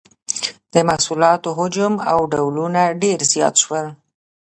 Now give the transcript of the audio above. د محصولاتو حجم او ډولونه ډیر زیات شول.